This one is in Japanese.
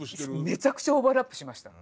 めちゃくちゃオーバーラップしました。